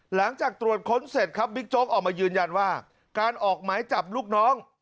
หลังจากตรวจค้นเสร็จครับบิ๊กโจ๊กออกมายืนยันว่าการออกหมายจับลูกน้อง